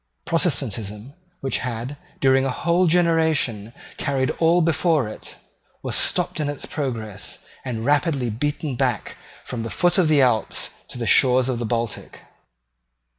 Protestantism, which had, during a whole generation, carried all before it, was stopped in its progress, and rapidly beaten back from the foot of the Alps to the shores of the Baltic.